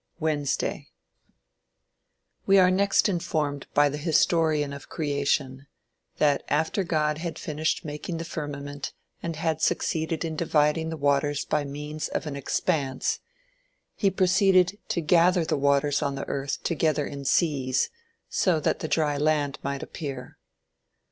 WEDNESDAY We are next informed by the historian of Creation, that after God had finished making the firmament and had succeeded in dividing the waters by means of an "expanse," he proceeded "to gather the waters on the earth together in seas, so that the dry land might appear."